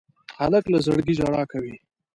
هلک له زړګي ژړا کوي.